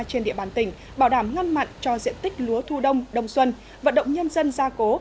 trên địa bàn tỉnh bảo đảm ngăn mặn cho diện tích lúa thu đông đông xuân vận động nhân dân gia cố